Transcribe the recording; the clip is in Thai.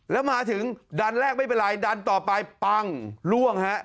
แล้วมาถึงดันแรกไม่เป็นไรดันต่อไปปั้งล่วงฮะ